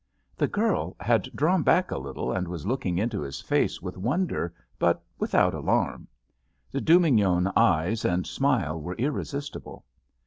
The girl had drawn back a little and was looking into his face with wonder but without alarm. The Dubignon eyes and smile were irresistible.